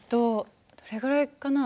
どれぐらいかな。